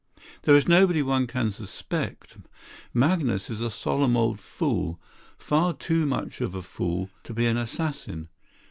There is nobody one can suspect. Magnus is a solemn old fool; far too much of a fool to be an assassin.